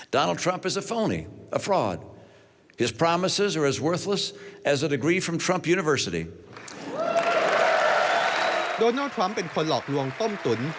โดยนอนทรัมป์เป็นคนหลอกลวงต้มตุ๋น